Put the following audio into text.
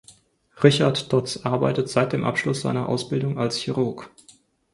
Richard Dodds arbeitet seit dem Abschluss seiner Ausbildung als Chirurg.